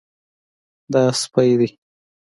دا سپی دی